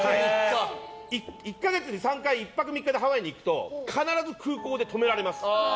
１か月に３回１泊３日でハワイに行くと必ず空港で止められます。